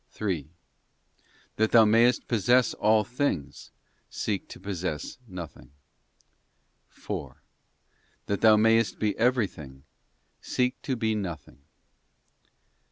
3. That thou mayest possess all things, seek to posséss nothing. 4. That thou mayest be everything, seek to be nothing.